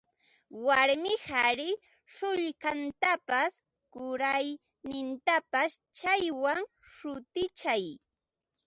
Warmi qari sullkantapas kuraqnintapas chaywan sutichan